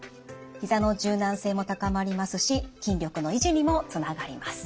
ひざの柔軟性も高まりますし筋力の維持にもつながります。